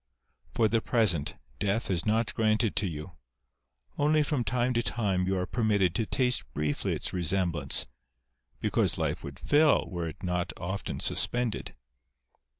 For the present, death is not granted to you ; only from time to time you are permitted to taste briefly its resemblance, because life would fail were it not often suspended.